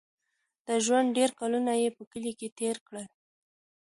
د ژوند ډېر کلونه یې په کلي کې تېر کړل.